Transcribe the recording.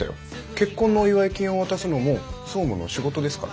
結婚のお祝い金を渡すのも総務の仕事ですから。